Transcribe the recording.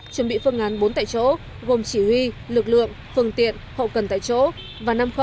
chuẩn bị phương án bốn tại chỗ gồm chỉ huy lực lượng phương tiện hậu cần tại chỗ và năm khẩu